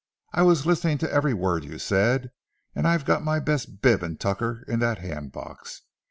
I was listening to every word you said, and I've got my best bib and tucker in that hand box.